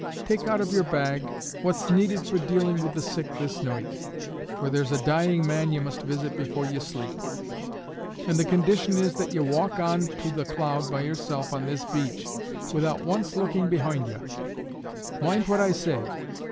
Take out of your bags what's needed for dealing with the sick this noight, for there's a dying man ye must visit before ye sleep, and the condition is that ye walk on to The Cloud by yourself on this beach without once looking behoind ye. Moind what I say!